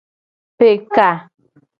Pe ka.